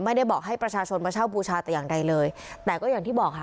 ไม่ได้บอกให้ประชาชนมาเช่าบูชาแต่อย่างใดเลยแต่ก็อย่างที่บอกค่ะ